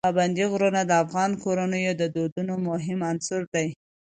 پابندي غرونه د افغان کورنیو د دودونو مهم عنصر دی.